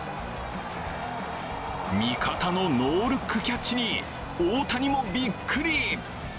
味方のノールックキャッチに大谷もびっくり。